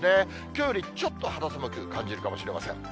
きょうよりちょっと肌寒く感じるかもしれません。